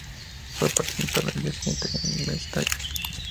Fue presentado al día siguiente en Mestalla.